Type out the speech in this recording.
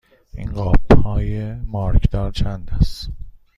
این قاب های مارکدار چند است؟